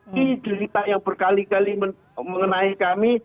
ini cerita yang berkali kali mengenai kami